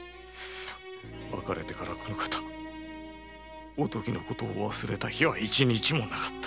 別れてからこのかたおときを忘れた日は一日もなかった。